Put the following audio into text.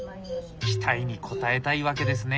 期待に応えたい訳ですね。